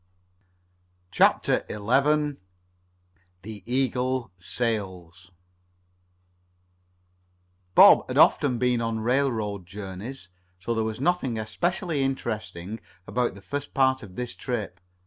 CHAPTER XI THE "EAGLE" SAILS Bob had often been on railroad journeys, so there was nothing especially interesting about the first part of his trip.